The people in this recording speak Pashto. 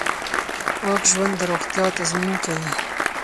پاک ژوند د روغتیا تضمین کوي.